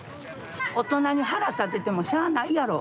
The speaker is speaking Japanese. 大人に腹立ててもしゃないやろ。